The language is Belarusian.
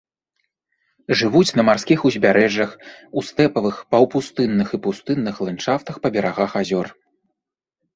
Жывуць на марскіх узбярэжжах, у стэпавых, паўпустынных і пустынных ландшафтах па берагах азёр.